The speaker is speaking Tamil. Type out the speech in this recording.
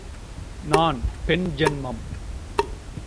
நான் பெண் ஜென்மம்.